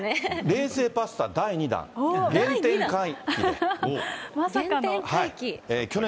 冷製パスタ第２弾、原点回帰？